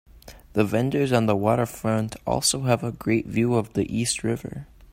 The vendors on the waterfront also have a great view of the East River.